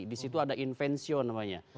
disitu ada invention namanya